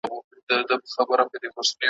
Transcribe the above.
اوس مي پر لکړه هغه لاري ستړي کړي دي `